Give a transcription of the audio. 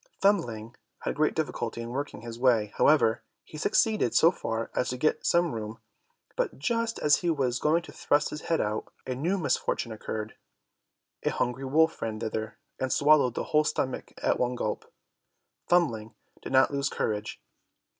Thumbling had great difficulty in working his way; however, he succeeded so far as to get some room, but just as he was going to thrust his head out, a new misfortune occurred. A hungry wolf ran thither, and swallowed the whole stomach at one gulp. Thumbling did not lose courage.